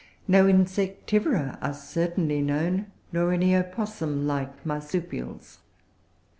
No Insectivora are certainly known, nor any opossum like Marsupials.